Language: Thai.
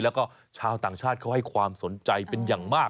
แล้วก็ชาวต่างชาติเขาให้ความสนใจเป็นอย่างมาก